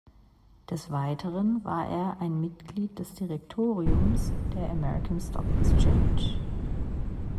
Des Weiteren war er ein Mitglied des Direktoriums der American Stock Exchange.